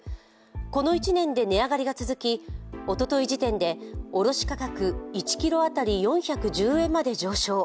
この１年で値上がりが続き、おととい時点で卸価格１ｋｇ当たり４１０円まで上昇。